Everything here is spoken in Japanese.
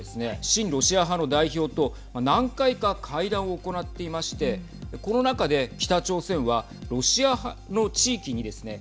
親ロシア派の代表と何回か会談を行っていましてこの中で北朝鮮はロシア派の地域にですね